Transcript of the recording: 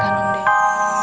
ya kan om dennis